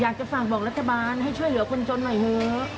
อยากจะฝากบอกรัฐบาลให้ช่วยเหลือคนจนหน่อยเถอะ